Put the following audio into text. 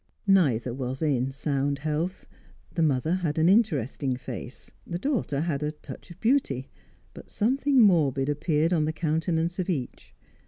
Neither was in sound health. The mother had an interesting face; the daughter had a touch of beauty; but something morbid appeared on the countenance of each.